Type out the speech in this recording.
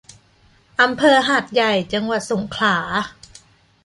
อำเภอหาดใหญ่ จังหวัดสงขลา